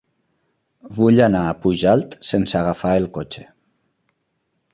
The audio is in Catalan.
Vull anar a Pujalt sense agafar el cotxe.